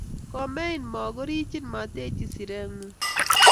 Komein mo korichin mateityi sirengung